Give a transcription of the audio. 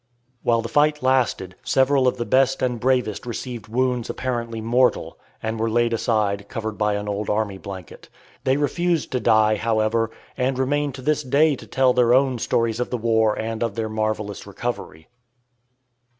While the fight lasted, several of the best and bravest received wounds apparently mortal, and were laid aside covered by an old army blanket. They refused to die, however, and remain to this day to tell their own stories of the war and of their marvelous recovery.